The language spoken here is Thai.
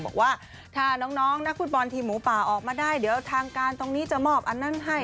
บอกว่าถ้าน้องนักฟุตบอลทีมหมูป่าออกมาได้เดี๋ยวทางการตรงนี้จะมอบอันนั้นให้